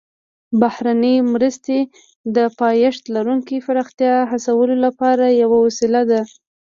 بهرنۍ مرستې د پایښت لرونکي پراختیا هڅولو لپاره یوه وسیله ده